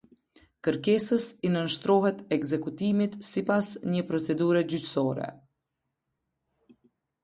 Kërkesës, i nënshtrohet ekzekutimit sipas një procedure gjyqësore.